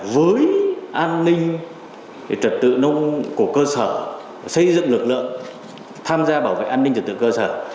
với an ninh trật tự của cơ sở xây dựng lực lượng tham gia bảo vệ an ninh trật tự cơ sở